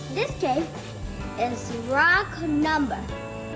ini adalah nomor berat